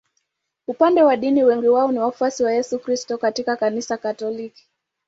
Upande wa dini wengi wao ni wafuasi wa Yesu Kristo katika Kanisa Katoliki.